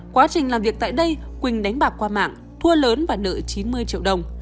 quá trình làm việc tại đây quỳnh đánh bạc qua mạng thua lớn và nợ chín mươi triệu đồng